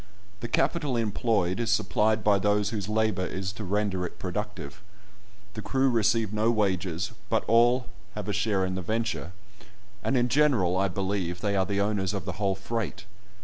The capital employed is supplied by those whose labour is to render it productive. The crew receive no wages, but have all a share in the venture, and in general, I believe, they are the owners of the whole freight.